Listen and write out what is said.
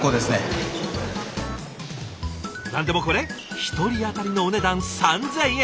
何でもこれ１人当たりのお値段３，０００円。